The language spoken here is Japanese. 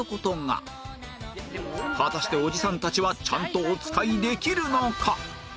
果たしておじさんたちはちゃんとおつかいできるのか？